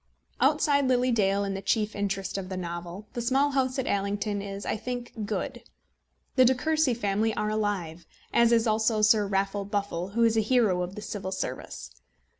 Outside Lily Dale and the chief interest of the novel, The Small House at Allington is, I think, good. The De Courcy family are alive, as is also Sir Raffle Buffle, who is a hero of the Civil Service.